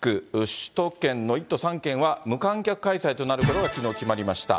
首都圏の１都３県は無観客開催となることがきのう決まりました。